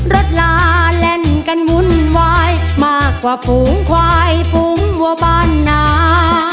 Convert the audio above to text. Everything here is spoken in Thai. ลาเล่นกันวุ่นวายมากกว่าฝูงควายฝูงวัวบ้านหนา